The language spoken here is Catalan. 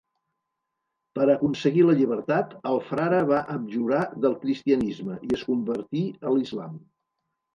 Per aconseguir la llibertat, el frare va abjurar del cristianisme i es convertí a l'islam.